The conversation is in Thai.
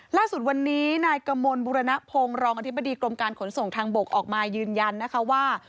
ล่าสุดวันนี้นายกมลบุรณพงศ์รองอธิบดีกรมการขนส่งทางบกออกมายืนยันนะคะว่า